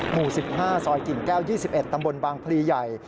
หมู่๑๕ซอยกิ่งแก้ว๒๑ตำบลบางพลีใหญ่